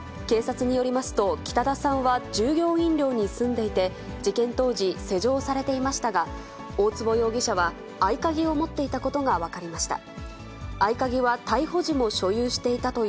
警察によりますと、北田さんは従業員寮に住んでいて、事件当時、施錠されていましたが、大坪容疑者は合鍵を持っていたことが分かりました。